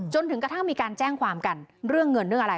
จนกระทั่งมีการแจ้งความกันเรื่องเงินเรื่องอะไร